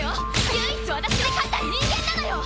唯一私に勝った人間なのよ！